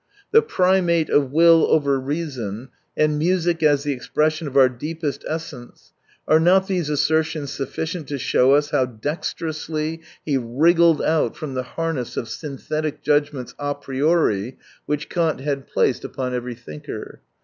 The primate of will over reason ; and music as the expression of our deepest essence; are not these assertions sufficient to show us how dexterously he wriggled out from the harness of synthetic judgments a priori which Kant had placed 183 upon every thinker.